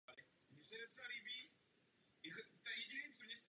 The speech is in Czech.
Prochází jím hranice chráněné krajinné oblasti České středohoří.